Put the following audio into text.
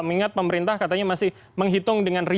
mengingat pemerintah katanya masih menghitung dengan real